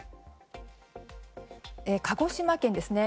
鹿児島県ですね。